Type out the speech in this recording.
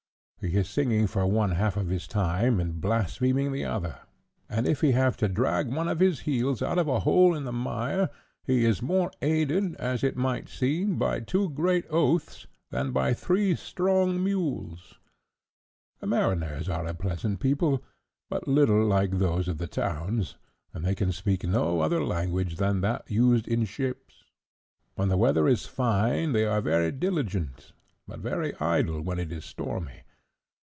He is singing for one half of his time, and blaspheming the other; and if he have to drag one of his wheels out of a hole in the mire, he is more aided, as it might seem, by two great oaths than by three strong mules. "The mariners are a pleasant people, but little like those of the towns, and they can speak no other language than that used in ships. When the weather is fine they are very diligent, but very idle, when it is stormy.